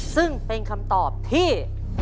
ซึ่งเป็นคำตอบที่